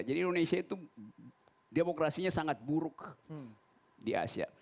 jadi indonesia itu demokrasinya sangat buruk di asia